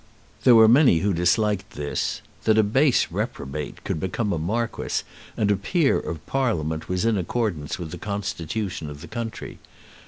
There were many who disliked this. That a base reprobate should become a Marquis and a peer of Parliament was in accordance with the constitution of the country.